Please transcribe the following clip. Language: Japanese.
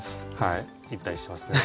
行ったりしますね。